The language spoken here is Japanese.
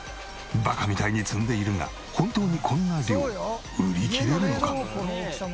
バカみたいに積んでいるが本当にこんな量売り切れるのか？